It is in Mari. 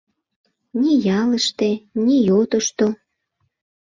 Ни ялыште, ни йотышто